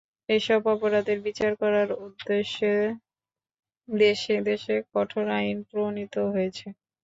এসব অপরাধের বিচার করার উদ্দেশ্যে দেশে দেশে কঠোর আইন প্রণীত হয়েছে।